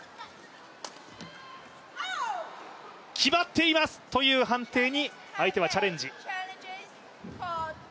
決まっています！という判定に相手はチャレンジ。